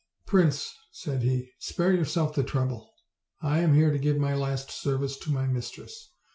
"Prince," said he, "spare yourself the trouble. I am here to give my last service to my mistress.